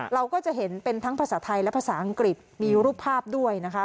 เราก็จะเห็นเป็นทั้งภาษาไทยและภาษาอังกฤษมีรูปภาพด้วยนะคะ